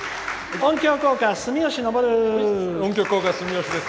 音響効果、住吉です。